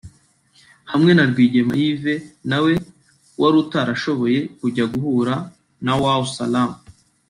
hamwe na Rwigema Yves na we utari warashoboye kujya guhura na Wau Salaam